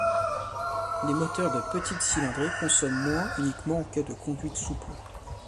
Les moteurs de petite cylindrée consomment moins uniquement en cas de conduite souple.